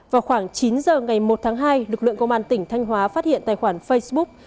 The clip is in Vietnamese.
vào khoảng chín giờ ngày một tháng hai lực lượng công an tỉnh thanh hóa phát hiện tài khoản facebook